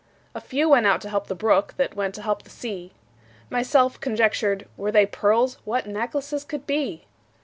A few went out to help the brook, That went to help the sea. Myself conjectured, Were they pearls, What necklaces could be!